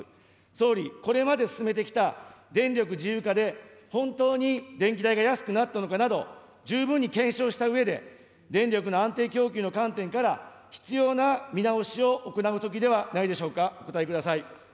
総理、これまで進めてきた電力自由化で、本当に電気代が安くなったのかなど、十分に検証したうえで、電力の安定供給の観点から、必要な見直しを行うときではないでしょうか、お答えください。